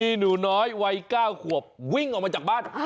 มีหนูน้อยวัย๙ขวบวิ่งออกมาจากบ้าน